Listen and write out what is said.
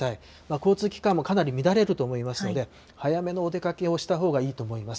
交通機関もかなり乱れると思いますので、早めのお出かけをしたほうがいいと思います。